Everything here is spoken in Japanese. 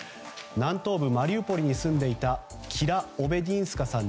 南東部マリウポリに住んでいたキラ・オベディンスカさん